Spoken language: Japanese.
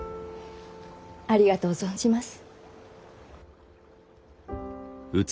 ありがとう存じます。